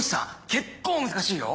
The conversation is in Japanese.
結構難しいよ。